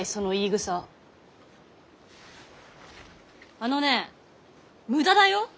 あのねえ無駄だよ？